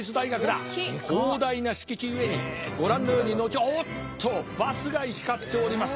広大な敷地ゆえにご覧のようにおっとバスが行き交っております。